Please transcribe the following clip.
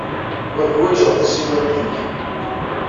Ur ḥwajeɣ tasiwant-nnek.